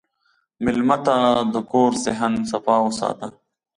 مېلمه ته د کور صحن صفا وساته.